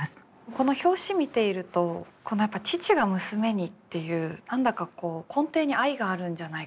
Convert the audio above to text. この表紙見ているとやっぱ「父が娘に」っていう何だか根底に愛があるんじゃないかなと。